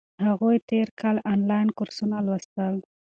هغوی تیر کال انلاین کورسونه لوستل.